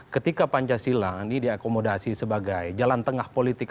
ketika pancasila ini diakomodasi sebagai jalan tengah politik